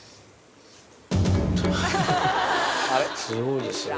すごいですよね。